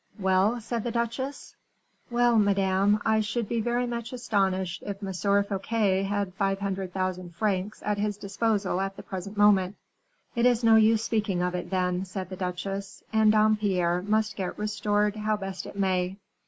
"Well?" said the duchesse. "Well, madame, I should be very much astonished if M. Fouquet had five hundred thousand francs at his disposal at the present moment." "It is no use speaking of it, then," said the duchesse, "and Dampierre must get restored how best it may."